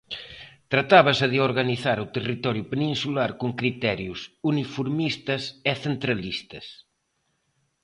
Tratábase de organizar o territorio peninsular con criterios uniformistas e centralistas.